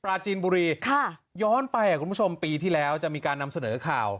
จีนบุรีค่ะย้อนไปคุณผู้ชมปีที่แล้วจะมีการนำเสนอข่าว